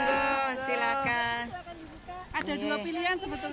ada dua pilihan sebetulnya